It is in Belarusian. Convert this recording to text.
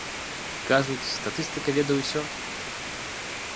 Кажуць, статыстыка ведае ўсё.